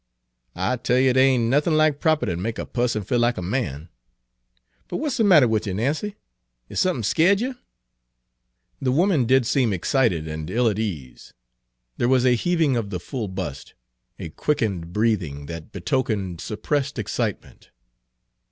I tell yer dere ain' nothin' like propputy ter make a pusson feel like a man. But w'at 's de Page 295 matter wid yer, Nancy ? Is sump'n' skeered yer?" The woman did seem excited and ill at ease. There was a heaving of the full bust, a quickened breathing, that betokened suppressed excitement.